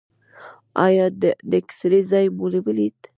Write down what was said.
ایا د اکسرې ځای مو ولید؟